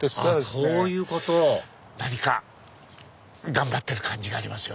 あっそういうこと何か頑張ってる感じがあります。